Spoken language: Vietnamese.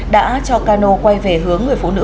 đã cho cano quay về hướng người phụ nữ